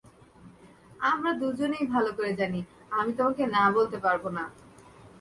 আমরা দুজনেই ভালো করে জানি, আমি তোমাকে না বলতে পারবো না।